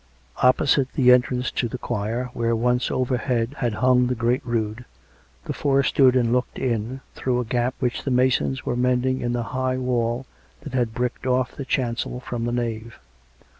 Opposite the entrance to the choir, where once overhead had hung the great Rood, the four stood and looked in, through a gap which the masons were mending in the high wall that had bricked off the chancel from the nave.